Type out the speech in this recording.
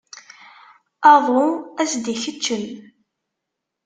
Aḍu ad s-d-ikeččem.